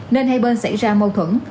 nên hai bên xảy ra mâu thuẫn